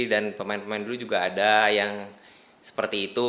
dan pemain pemain dulu juga ada yang seperti itu